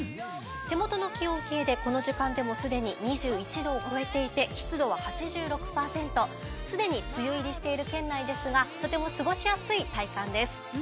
手元の気温計でこの時間でも既に２１度を超えていて湿度は８６％、既に梅雨入りしている県内ですが、とても過ごしやすい体感です。